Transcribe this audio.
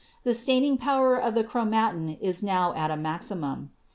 The staining power of the chromatin is now at a maximum.